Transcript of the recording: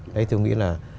đấy tôi nghĩ là